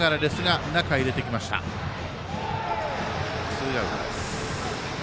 ツーアウトです。